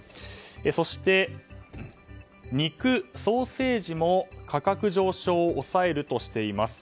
そして、肉、ソーセージも価格上昇を抑えるとしています。